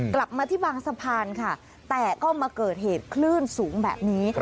กลับมาที่บางสะพานค่ะแต่ก็มาเกิดเหตุคลื่นสูงแบบนี้